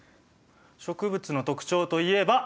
植物の特徴といえば。